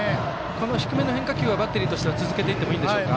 低めの変化球はバッテリーとしては続けていってもいいでしょうか。